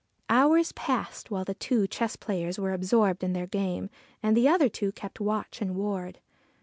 Hours passed while the two chess players were absorbed in their game and the other two kept watch and ward.